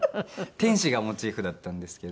天使がモチーフだったんですけど。